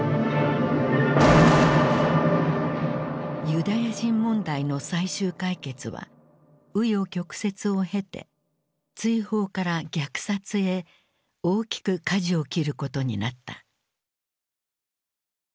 ユダヤ人問題の最終解決は紆余曲折を経て追放から虐殺へ大きくかじを切ることになった。